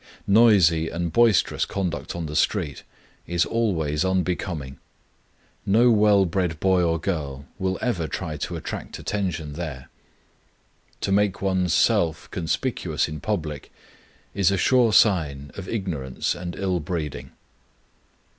Noisy and boisterous conduct on the street is always unbecoming. No well bred boy or girl will ever try to attract attention there. To make one's self conspicuous in public is a sure sign of ignorance and ill breeding.